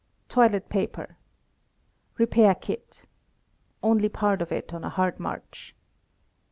Toilet paper. Repair kit (only part of it on a hard march).